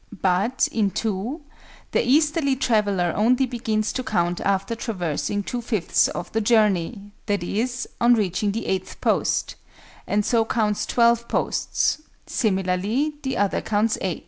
But, in (2), the easterly traveller only begins to count after traversing 2 5ths of the journey, i.e., on reaching the 8th post, and so counts 12 posts: similarly the other counts 8.